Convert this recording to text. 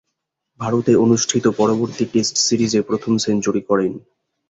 ভারতে অনুষ্ঠিত পরবর্তী টেস্ট সিরিজে প্রথম সেঞ্চুরি করেন।